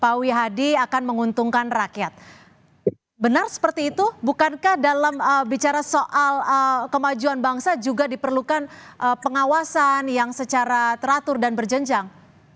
pak wihadi akan menguntungkan rakyat benar seperti itu bukankah dalam bicara soal kemajuan bangsa juga diperlukan pengawasan yang secara teratur dan berjenjang